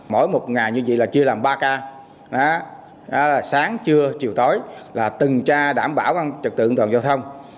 mỗi một ngày như vậy là chưa làm ba k sáng trưa chiều tối là từng tra đảm bảo trật tự an toàn giao thông